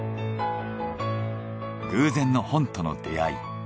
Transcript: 偶然の本との出会い。